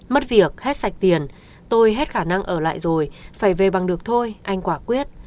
mất việc hết sạch tiền tôi hết khả năng ở lại rồi phải về bằng được thôi anh quả quyết